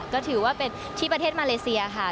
ก็ถือว่าเป็นที่ประเทศมาเลเซียค่ะ